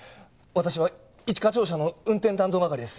私は一課長車の運転担当係です。